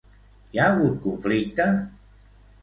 Hi ha hagut conflicte?